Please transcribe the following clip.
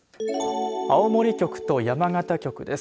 青森局と山形局です。